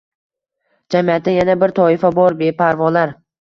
Jamiyatda yana bir toifa bor: beparvolar.